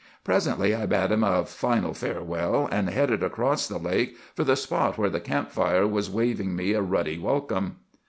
Presently I bade him a final farewell, and headed across the lake for the spot where the camp fire was waving me a ruddy welcome."